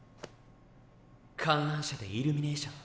観覧車でイルミネーション。